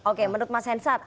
oke menurut mas hensat